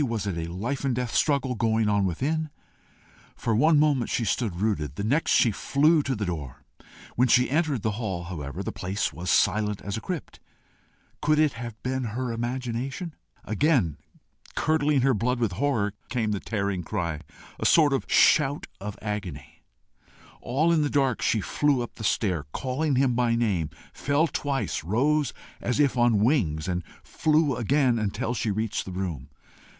Was it a life and death struggle going on within? For one moment she stood rooted; the next she flew to the door. When she entered the hall, however, the place was silent as a crypt. Could it have been her imagination? Again, curdling her blood with horror, came the tearing cry, a sort of shout of agony. All in the dark, she flew up the stair, calling him by name, fell twice, rose as if on wings, and flew again until she reached the room.